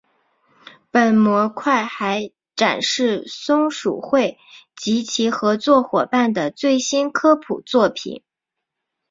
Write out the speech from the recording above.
本模块还展示松鼠会及其合作伙伴的最新科普作品。